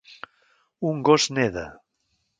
Un gos neda.